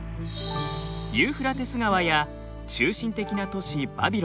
ユーフラテス川や中心的な都市バビロン